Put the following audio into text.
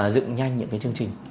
dựng nhanh những cái chương trình